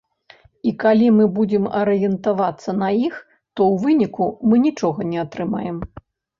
І калі мы будзем арыентавацца на іх, то ў выніку мы нічога не атрымаем.